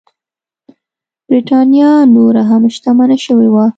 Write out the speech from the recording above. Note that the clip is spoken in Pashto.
برېټانیا نوره هم شتمنه شوې وه.